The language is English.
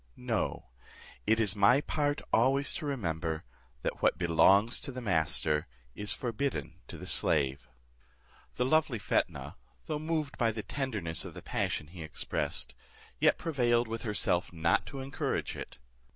No, it is my part always to remember, 'that what belongs to the master is forbidden to the slave.'" The lovely Fetnah, though moved by the tenderness of the passion he expressed, yet prevailed with herself not to encourage it.